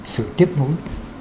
sự tiếp nối